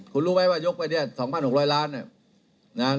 คุณรู้ไหมว่ายกไปเนี่ย๒๖๐๐ล้าน